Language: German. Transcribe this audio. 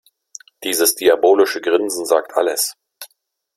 Dieses diabolische Grinsen sagt alles.